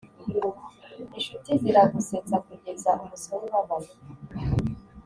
inshuti ziragusetsa kugeza umusaya ubabaye.